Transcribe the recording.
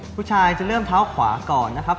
ผู้ชายจะเริ่มเท้าขวาก่อนนะครับ